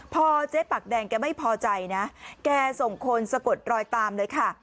พอเจ๊ปากแดงแกไม่พอใจนะแกส่งคนสะกดรอยตามเลยค่ะ